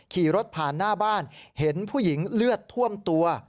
ขี่รถผ่านหน้าบ้านเห็นผู้หญิงเลือดท่วมตัว